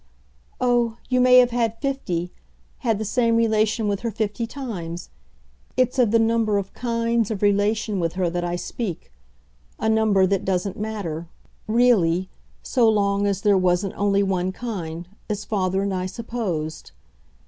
"Oh, you may have had fifty had the same relation with her fifty times! It's of the number of KINDS of relation with her that I speak a number that doesn't matter, really, so long as there wasn't only one kind, as father and I supposed.